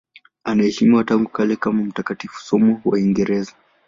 Anaheshimiwa tangu kale kama mtakatifu, somo wa Uingereza.